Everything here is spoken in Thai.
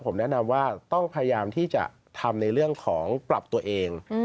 ผมแนะนำว่าต้องพยายามที่จะทำในเรื่องของปรับตัวเอง